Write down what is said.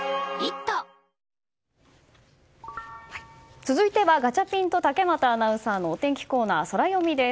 続いてはガチャピンと竹俣さんのお天気コーナー、ソラよみです。